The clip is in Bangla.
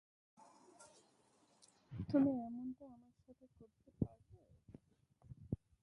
তুমি এমনটা আমার সাথে করতে পারলে?